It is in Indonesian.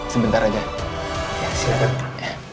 sebentar aja silahkan